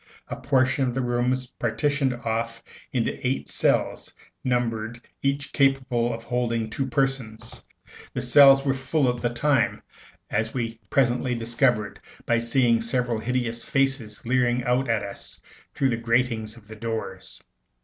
A portion of the rooms partitioned off into eight cells, numbered, each capable of holding two persons. The cells were full at the time, as we presently discovered by seeing several hideous faces leering out at us through the gratings of the doors.